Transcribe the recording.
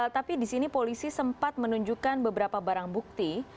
tapi di sini polisi sempat menunjukkan beberapa barang bukti